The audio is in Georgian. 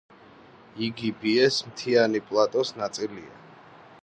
იგი ბიეს მთიანი პლატოს ნაწილია.